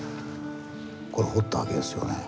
これ掘ったわけですよね。